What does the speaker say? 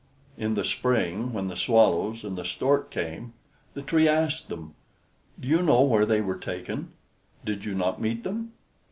In the spring, when the Swallows and the Stork came, the Tree asked them, "Do you know where they were taken? Did you not meet them?"